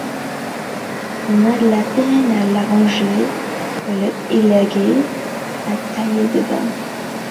On a de la peine à l'arranger, à l'élaguer, à tailler dedans.